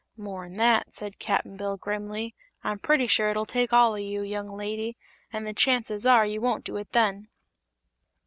"More'n that," said Cap'n Bill, grimly. "I'm pretty sure it'll take all o' you, young lady, an' the chances are you won't do it then."